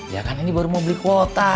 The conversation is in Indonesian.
ya karena ini baru mau beli kuota